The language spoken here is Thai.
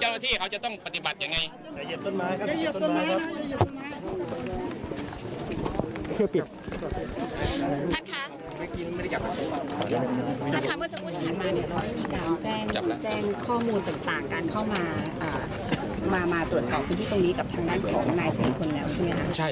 เจ้าหน้าที่เขาจะต้องปฏิบัติยังไงครับ